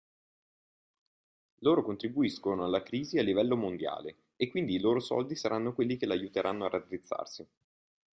Loro contribuiscono alla crisi a livello mondiale e quindi i loro soldi saranno quelli che l'aiuteranno a raddrizzarsi.